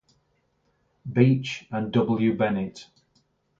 Beech and W. Bennett.